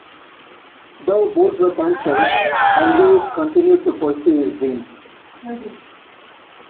Though both were canceled, Andrews continued to pursue her dreams.